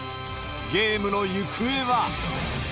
ゲームの行方は。